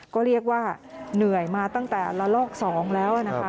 ก็เรียกว่าเหนื่อยมาตั้งแต่ละลอก๒แล้วนะคะ